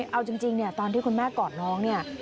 เอาจริงเนี่ยตอนที่คุณแม่กอดน้องเนี่ย